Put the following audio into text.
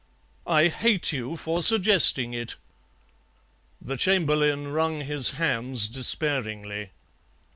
I hate you for suggesting it.' "The Chamberlain wrung his hands despairingly.